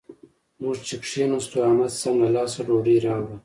موږ چې کېناستو؛ احمد سم له لاسه ډوډۍ راوړه.